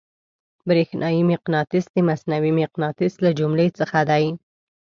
برېښنايي مقناطیس د مصنوعي مقناطیس له جملې څخه دی.